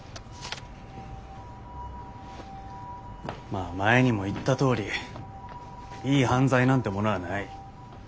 まあ前にも言ったとおりいい犯罪なんてものはない。